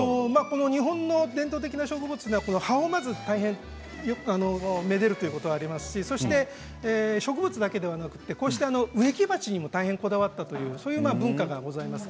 日本の伝統的な植物は葉っぱをめでるということがありますし植物だけではなくてこのようにして植木鉢にも大変こだわったという文化があります。